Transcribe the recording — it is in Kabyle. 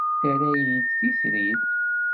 Terra-iyi d titrit.